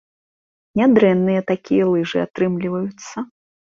Нядрэнныя такія лыжы атрымліваюцца.